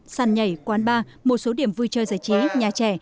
sàn nhảy quán bar một số điểm vui chơi giải trí nhà trẻ